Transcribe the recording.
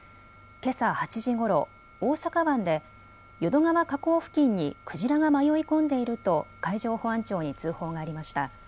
けさ８時ごろ、大阪湾で淀川河口付近にクジラが迷い込んでいると海上保安庁に通報がありました。